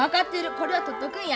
これはとっとくんや。